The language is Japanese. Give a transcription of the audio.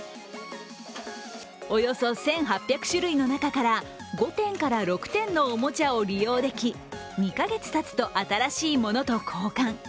およそ１８００種類の中から５点から６点のおもちゃを利用でき２か月たつと新しいものと交換。